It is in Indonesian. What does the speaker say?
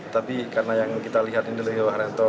tapi karena yang kita lihat di rio haryanto